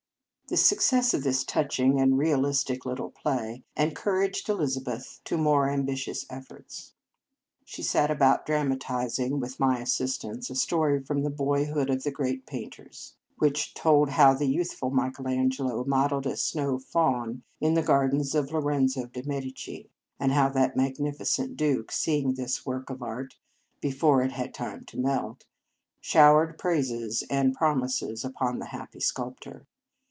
The success of this touching and realistic little play encouraged Eliza beth to more ambitious efforts. She set about dramatizing, with my assist ance, a story from " The Boyhood of Great Painters," which told how the youthful Michael Angelo modelled a snow Faun in the gardens of Lorenzo de Medici, and how that magnificent duke, seeing this work of art before it had time to melt, showered praises and promises upon the happy sculptor.